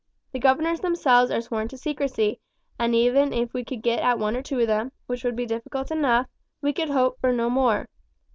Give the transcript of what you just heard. The governors themselves are sworn to secrecy, and even if we could get at one or two of them, which would be difficult enough, we could hope for no more.